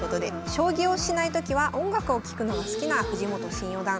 将棋をしない時は音楽を聴くのが好きな藤本新四段。